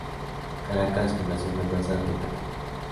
Caracas, Fundación Mendoza, pp.